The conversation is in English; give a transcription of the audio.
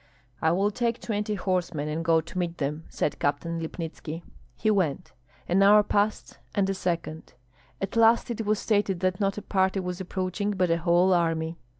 "I will take twenty horsemen and go to meet them," said Captain Lipnitski. He went. An hour passed, and a second; at last it was stated that not a party was approaching, but a whole army.